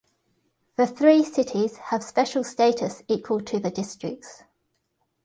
The three cities have special status equal to the districts.